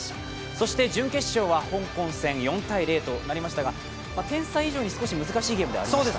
そして準決勝は香港戦、４−０となりましたが点差以上に少し難しいゲームではありましたね？